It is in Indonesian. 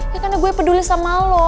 ya karena gue peduli sama lo